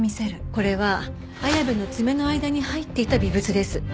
これは綾部の爪の間に入っていた微物です。